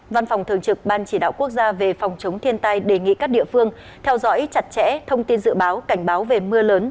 văn phòng thường trực ban chỉ đạo quốc gia về phòng chống thiên tai đề nghị các địa phương theo dõi chặt chẽ thông tin dự báo cảnh báo về mưa lớn